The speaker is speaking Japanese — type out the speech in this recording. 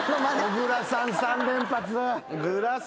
小倉さん３連発。